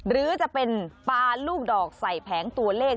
หรือจะเป็นปลาลูกดอกใส่แผงตัวเลข